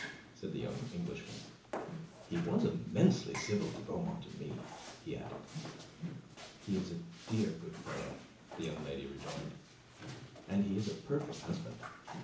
said the young Englishman. "He was immensely civil to Beaumont and me," he added. "He is a dear good fellow," the young lady rejoined, "and he is a perfect husband.